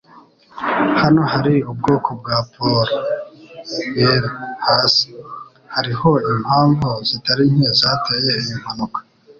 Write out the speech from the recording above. Hano hari ubwoko bwa poro yera hasi. Hariho impamvu zitari nke zateye iyi mpanuka.